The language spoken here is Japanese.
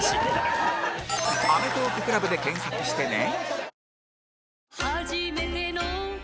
「アメトーーク ＣＬＵＢ」で検索してね